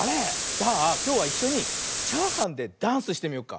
じゃあきょうはいっしょにチャーハンでダンスしてみようか。